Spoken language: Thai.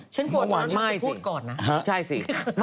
ฉันกลัวว่าจะพูดก่อนนะ